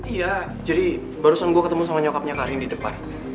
iya jadi barusan gue ketemu sama nyokapnya karin di depan